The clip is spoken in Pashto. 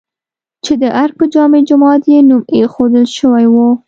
چې د ارګ په جامع جومات یې نوم ايښودل شوی و؟